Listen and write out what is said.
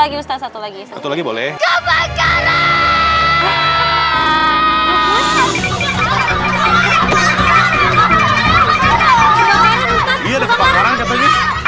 anak anaknya udah kebakaran